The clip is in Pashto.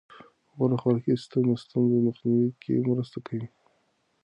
غوره خوراکي سیستم د ستونزو مخنیوي کې مرسته کوي.